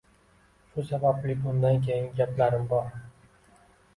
Shu sababli bundan keyingi gaplarim bor